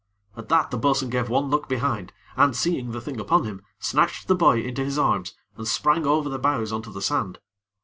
At that, the bo'sun gave one look behind, and, seeing the thing upon him, snatched the boy into his arms, and sprang over the bows on to the sand.